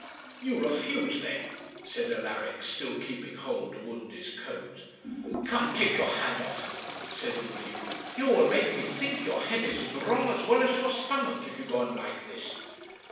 'You refuse, then?' said Alaric, still keeping hold of Undy's coat. 'Come, take your hand off,' said Undy. 'You will make me think your head is wrong as well as your stomach, if you go on like this.